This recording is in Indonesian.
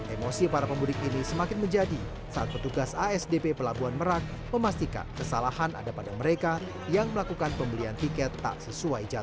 emosi para pemudik ini semakin menjadi saat petugas asdp pelabuhan merak memastikan kesalahan ada pada mereka yang melakukan pembelian tiket tak sesuai jadwal